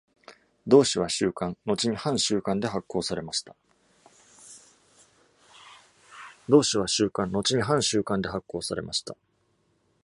同紙は週刊、後に半週刊で発行されました。